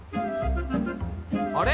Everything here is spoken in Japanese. あれ？